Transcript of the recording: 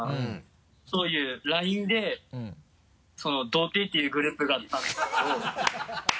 そういうＬＩＮＥで「童貞」っていうグループがあったんですけど。